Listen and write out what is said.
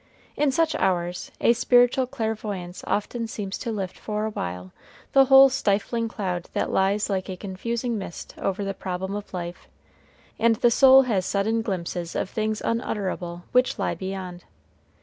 In such hours a spiritual clairvoyance often seems to lift for a while the whole stifling cloud that lies like a confusing mist over the problem of life, and the soul has sudden glimpses of things unutterable which lie beyond.